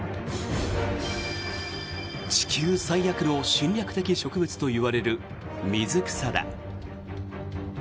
地球最悪の侵略的植物といわれる水草だ。